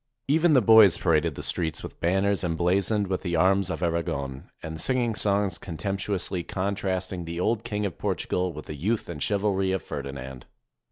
Even the boys pa raded the streets with banners emblazoned with the arms of Aragon, and singing songs contemptuously contrast ing the old King of Portugal with the youth and chivalry of Ferdinand.